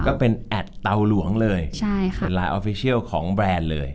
ก็เป็นแอดเตาหลวงเลยใช่ค่ะเป็นลายออฟฟิเชียลของแบรนด์เลย